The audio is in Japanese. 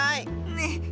ねえ。